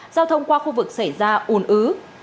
giao thông qua khu vực xảy ra ùn ứ